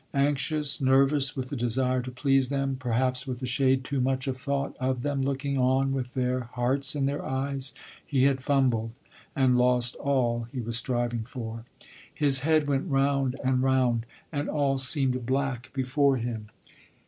Anxious, nervous with the desire to please them, perhaps with a shade too much of thought of them looking on with their hearts in their eyes, he had fumbled, and lost all he was striving for. His head went round and round and all seemed black before him.